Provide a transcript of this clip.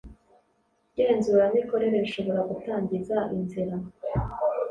Ngenzuramikorere rushobora gutangiza inzira